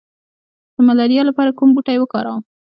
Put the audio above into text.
د ملاریا لپاره کوم بوټی وکاروم؟